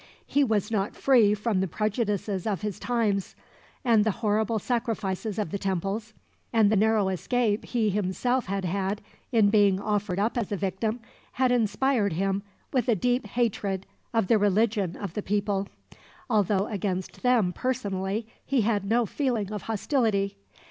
He was not free from the prejudices of his times, and the horrible sacrifices of the temples, and the narrow escape he himself had had in being offered up as a victim, had inspired him with a deep hatred of the religion of the people; although against them, personally, he had no feeling of hostility.